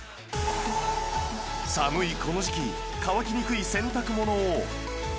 寒いこの時期乾きにくい洗濯物を